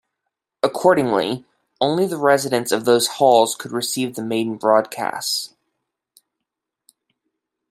Accordingly, only the residents of those halls could receive the maiden broadcasts.